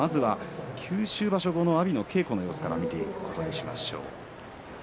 九州場所後の阿炎の稽古の様子を見ていくことにしましょう。